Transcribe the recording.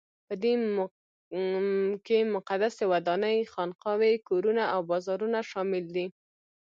په دې کې مقدسې ودانۍ، خانقاوې، کورونه او بازارونه شامل دي.